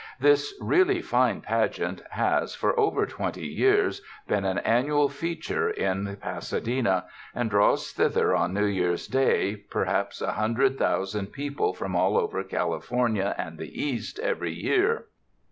This really fine pageant has, for over twenty years, been an annual feature in Pasa dena and draws thither on New Year's Day per haps a hundred thousand people from all over Cal ifornia and the East every year.